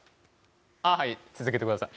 ああはい続けてください。